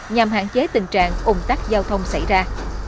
nhằm hạn chế tình trạng ủng tắc giao thông xảy ra